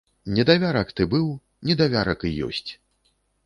Недавярак ты быў, недавярак і ёсць!